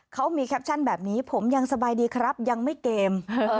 เขามีแคปชั่นแบบนี้ผมยังสบายดีครับยังไม่เกม